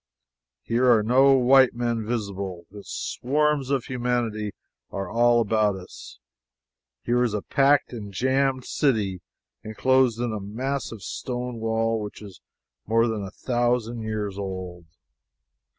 Here are no white men visible, yet swarms of humanity are all about us. Here is a packed and jammed city enclosed in a massive stone wall which is more than a thousand years old.